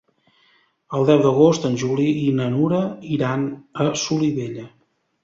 El deu d'agost en Juli i na Nura iran a Solivella.